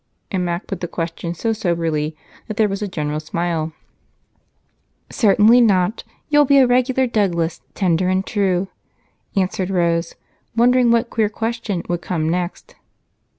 And Mac put the question so soberly that there was a general smile. "Certainly not you'll be a regular Douglas, tender and true," answered Rose, wondering what queer question would come next.